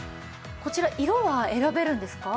こちら色は選べるんですか？